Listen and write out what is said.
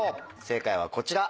正解はこちら。